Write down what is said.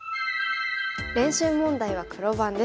練習問題は黒番です。